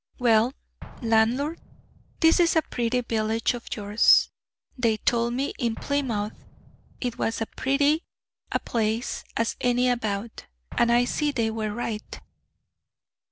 "Well, landlord, this is a pretty village of yours; they told me in Plymouth it was as pretty a place as any about, and I see they were right."